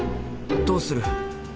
どうする？